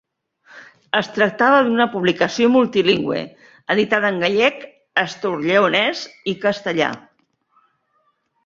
Es tractava d'una publicació multilingüe, editada en gallec, asturlleonès i castellà.